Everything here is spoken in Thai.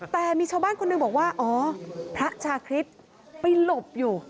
แต่มีชาวบ้านคนหนึ่งบอกว่าอ๋อพระชาคริสต์ไปหลบอยู่